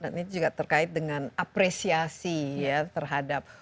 ini juga terkait dengan apresiasi ya terhadap